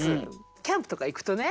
キャンプとか行くとね